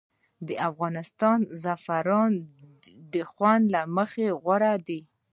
د افغانستان زعفران د خوند له مخې غوره دي